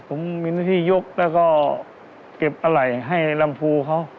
ผมมีหน้าที่ยกแล้วก็เก็บอะไหล่ให้ลำพูเขา